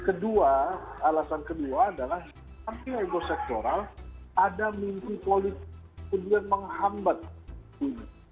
nah kedua alasan kedua adalah karena ego sektoral ada mimpi politik untuk menghambat ini